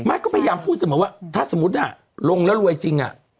ไม่ก็พยายามพูดเสมอว่าถ้าสมมุติลงแล้วรวยจริง